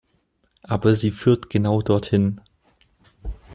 Aber sie führt genau dorthin.